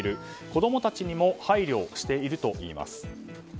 子供たちにも配慮しているといいます。